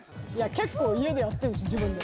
結構家でやってる自分で。